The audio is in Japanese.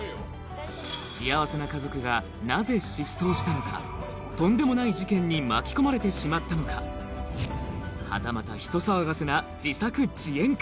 幸せな家族がとんでもない事件に巻き込まれてしまったのかはたまた人騒がせな自作自演か